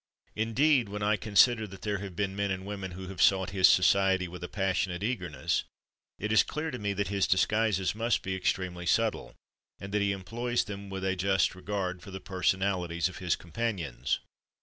Indeed, when I consider that there have been men and women who have sought his society with a passionate eagerness, it is clear to me that his disguises must be extremely subtle, and that he employs them with a just regard for the personalities of his companions.